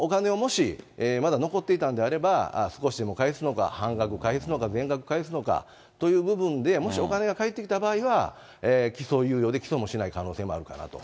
それと、あと、お金をもし、まだ残っていたんであれば、少しでも返すのか、半額返すのか、全額返すのかという部分で、もしお金が返ってきた場合は、起訴猶予で、起訴もしない可能性もあるかなと。